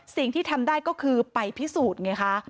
สิ่งที่ทำได้ก็คือไปพิสูจน์ไงคะ